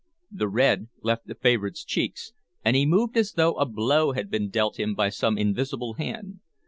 The red left the favorite's cheeks, and he moved as though a blow had been dealt him by some invisible hand.